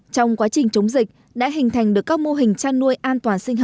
trong quá trình chống dịch đã hình thành được các mô hình chăn nuôi an toàn